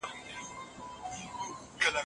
خانشرین جوانشیر د انگلیسانو ملاتړ ترلاسه کړ